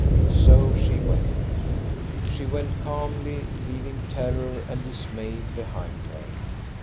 So she went. She went calmly, leaving terror and dismay behind her.